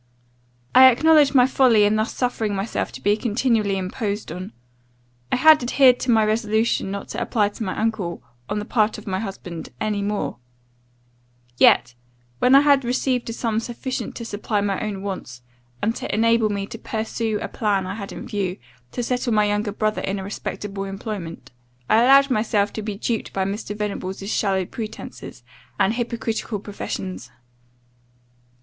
I acknowledge my folly in thus suffering myself to be continually imposed on. I had adhered to my resolution not to apply to my uncle, on the part of my husband, any more; yet, when I had received a sum sufficient to supply my own wants, and to enable me to pursue a plan I had in view, to settle my younger brother in a respectable employment, I allowed myself to be duped by Mr. Venables' shallow pretences, and hypocritical professions.